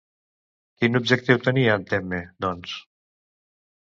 Quin objectiu tenia en Temme, doncs?